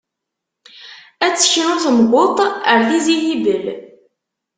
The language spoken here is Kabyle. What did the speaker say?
Ad teknu Temguṭ ar Tizi Hibel.